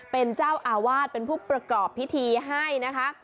เป็นเจ้าอาวาสเป็นผู้ประกอบพิธีให้นะคะ